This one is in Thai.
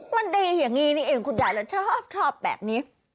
มันดีอย่างนี้เองคุณยายแล้วชอบแบบนี้